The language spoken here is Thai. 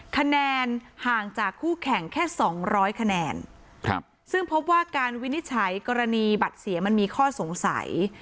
คะแนนห่างจากคู่แข่งแค่สองร้อยคะแนนครับซึ่งพบว่าการวินิจฉัยกรณีบัตรเสียมันมีข้อสงสัย